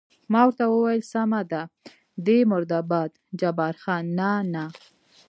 ما ورته وویل: سمه ده، دی مرده باد، جبار خان: نه، نه.